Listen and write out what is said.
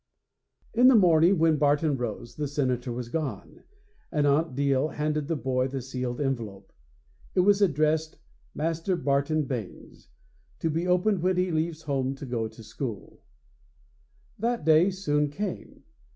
III In the morning, when Barton rose, the Senator was gone, and Aunt Deel handed the boy the sealed envelope. It was addressed: 'Master Barton Baynes; to be opened when he leaves home to go to school.' That day soon came.